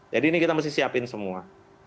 jadi ini kita mesti siapin semua